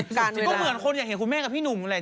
ก็เหมือนคนอยากเห็นคุณแม่กับพี่หนุ่มแหละ